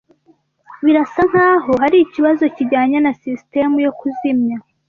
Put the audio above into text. Birasa nkaho hari ikibazo kijyanye na sisitemu yo kuzimya.